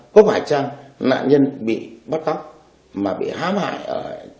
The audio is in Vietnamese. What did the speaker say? có phải rằng nạn nhân bị bắt góc mà bị hám hại